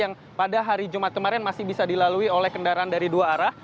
yang pada hari jumat kemarin masih bisa dilalui oleh kendaraan dari dua arah